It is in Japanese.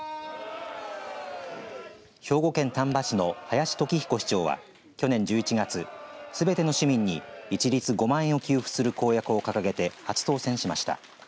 兵庫県丹波市の林時彦市長は去年１１月、すべての市民に一律５万円を給付する公約を掲げて初当選しました。